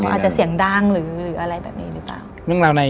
อาจจะเสี่ยงด้างหรืออะไรแบบนี้หรืออะไรนี้